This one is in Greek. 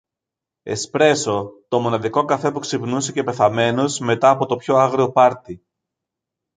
Εσπρέσο, το μοναδικό καφέ που ξυπνούσε και πεθαμένους μετά από το πιο άγριο πάρτι